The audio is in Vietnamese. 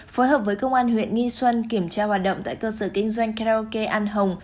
phối hợp với công an huyện nghi xuân kiểm tra hoạt động tại cơ sở kinh doanh karaoke an hồng